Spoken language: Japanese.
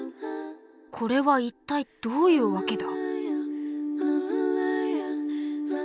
これは一体どういうわけだ？